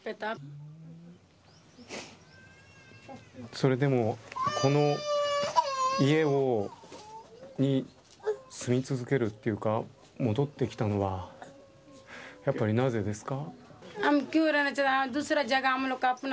それでも、この家に住み続けるというか戻ってきたのはなぜですか。